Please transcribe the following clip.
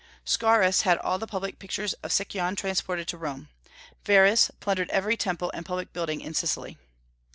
Scaurus had all the public pictures of Sicyon transported to Rome. Verres plundered every temple and public building in Sicily.